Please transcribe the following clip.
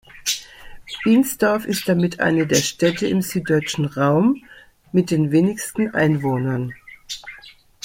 Binsdorf ist damit eine der Städte im süddeutschen Raum mit den wenigsten Einwohnern.